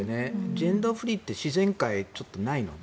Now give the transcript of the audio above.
ジェンダーフリーって自然界にないので。